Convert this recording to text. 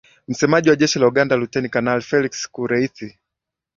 msemaji wa jeshi la uganda luteni kanali felix kureithi